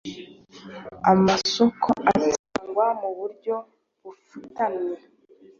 amasoko atangwa mu buryo bufutamye